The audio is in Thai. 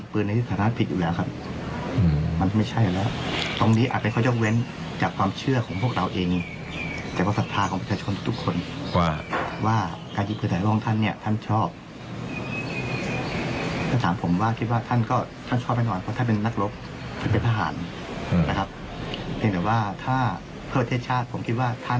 เพียงแต่ว่าถ้าเพิ่มเทศชาติผมคิดว่าท่านไม่เข้าใจ